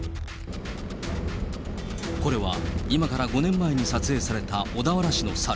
これは、今から５年前に撮影された小田原市のサル。